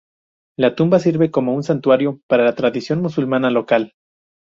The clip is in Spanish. La tumba sirve como un santuario para la tradición musulmana local.